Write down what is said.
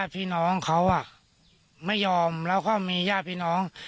พี่น้องเขาไม่ยอมแล้วก็มีญาติพี่น้อง